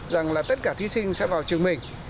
rằng là tất cả thí sinh sẽ vào trường mình